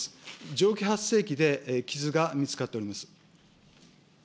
蒸気発生機で傷が見つかっております。